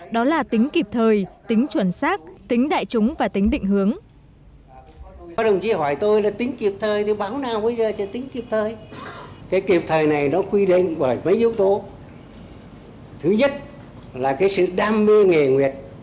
đó là tính kịp thời tính chuẩn xác tính đại chúng và tính định hướng